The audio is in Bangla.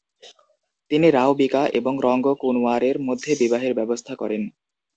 তিনি রাও বিকা এবং রঙ্গ কুনওয়ারের মধ্যে বিবাহের ব্যবস্থা করেন।